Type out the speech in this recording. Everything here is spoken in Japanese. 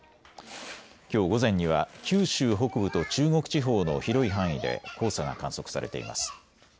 きょう午前には九州北部と中国地方の広い範囲で黄砂が観測されています。